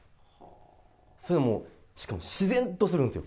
それはもう、しかも自然とするんですよ。